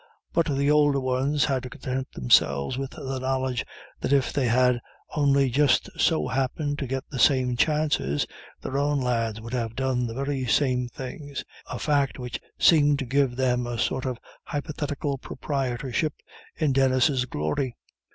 But the older ones had to content themselves with the knowledge that if they had only just so happened to get the same chances, their own lads would have done the very same things; a fact which seemed to give them a sort of hypothetical proprietorship in Denis's glory.